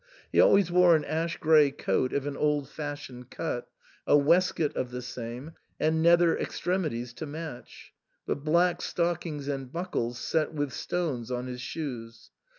He always wore an ash grey coat of an old fashioned cut, a waistcoat of the same, and nether extremeties to match, but black stockings and buckles set with stones on his shoes.